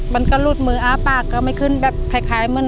มันก็รูดมืออาปาก็ไม่ขึ้นแบบคล้าย